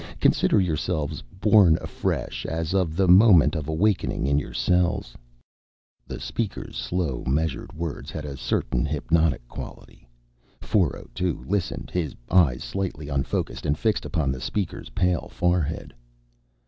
Consider yourselves born afresh as of the moment of awakening in your cells." The speaker's slow, measured words had a certain hypnotic quality. 402 listened, his eyes slightly unfocused and fixed upon the speaker's pale forehead.